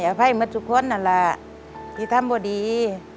อภัยเหมือนทุกคนนั่นแหละที่ทำบ่ดี